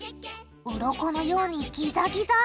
うろこのようにギザギザ！